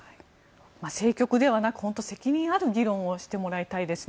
政局ではなく責任ある議論をしてもらいたいですね。